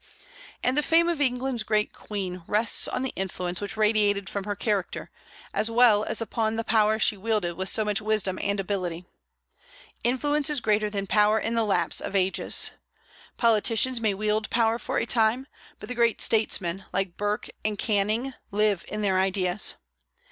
And the fame of England's great queen rests on the influence which radiated from her character, as well as upon the power she wielded with so much wisdom and ability. Influence is greater than power in the lapse of ages. Politicians may wield power for a time; but the great statesmen, like Burke and Canning, live in their ideas.